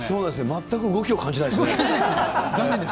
全く動きを感じ残念です。